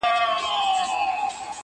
که تریخ دی زما دی.